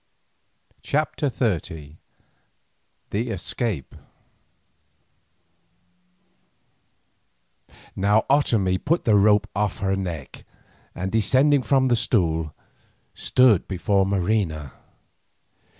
CHAPTER XXX THE ESCAPE Now Otomie put the rope off her neck, and descending from the stool, stood before Marina.